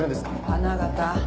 花形。